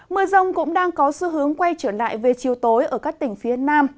mưa rông cũng đang có xu hướng quay trở lại về chiều tối ở các tỉnh phía nam